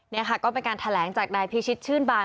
นี่ค่ะก็เป็นการแถลงจากนายพิชิตชื่นบาน